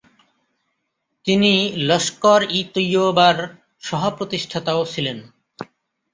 তিনি লস্কর-ই-তৈয়বার সহ-প্রতিষ্ঠাতাও ছিলেন।